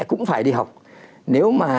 cũng phải đi học nếu mà